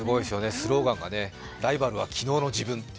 スローガンがライバルは昨日の自分って。